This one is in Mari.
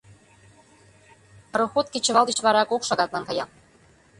Пароход кечывал деч вара кок шагатлан кая.